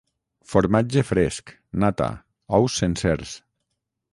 formatge fresc, nata, ous sencers